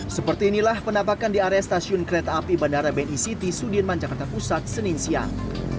seperti inilah penampakan di area stasiun kereta api bandara bni city sudirman jakarta pusat senin siang